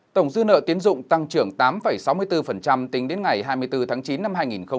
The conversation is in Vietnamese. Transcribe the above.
tổng dư nợ tiến dụng tăng trưởng tám sáu mươi bốn tính đến ngày hai mươi bốn tháng chín năm hai nghìn hai mươi ba